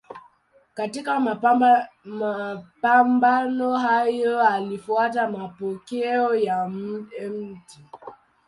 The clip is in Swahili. Katika mapambano hayo alifuata mapokeo ya Mt.